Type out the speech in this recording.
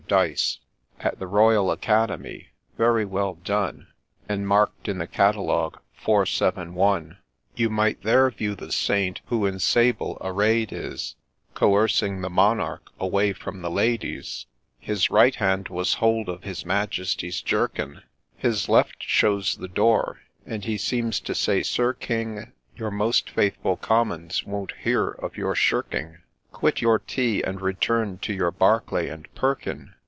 DYCE, At the Royal Academy, very well done, And mark'd in the catalogue Four, seven, one. You might there view the Saint, who in sable array'd is, Coercing the Monarch away from the Ladies ; His right band has hold of his Majesty's jerkin, 130 A LAY OF ST. DDNSTAN His left shows the door, and he seems to say, 'Sir King, Your most faithful Commons won't hear of your shirking I Quit your tea, and return to your Barclai and Perkyn.